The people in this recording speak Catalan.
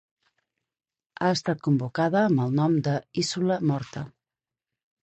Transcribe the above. Ha estat convocada amb el nom de ‘Isula morta’.